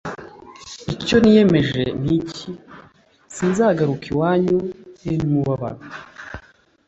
Icyo niyemeje ni iki sinzagaruka iwanyu m te umubabaro